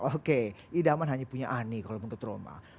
oke idaman hanya punya ani kalau menurut roma